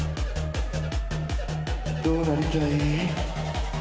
どうなりたい？